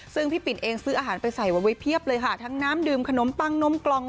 ซึ่งพี่ปิ่นเองซื้ออาหารไปใส่เอาไว้เพียบเลยค่ะทั้งน้ำดื่มขนมปังนมกล่อง